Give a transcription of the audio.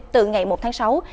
từ ngày một tháng sáu